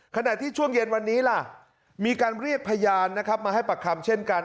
ขณะที่ช่วงเย็นวันนี้มีการเรียกพยานมาให้ปรับคำเช่นกัน